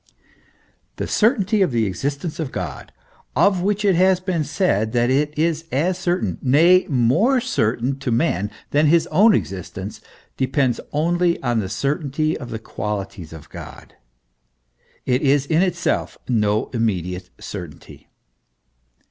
The certainty of the existence of God, of which it has been said that it is as certain, nay, more certain to man than his THE ESSENCE OF RELIGION. ]9 own existence, depends only on the certainty of the qualities of God it is in itself no immediate certainty.